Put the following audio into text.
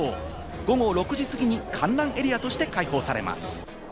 午後６時過ぎに観覧エリアとして開放されます。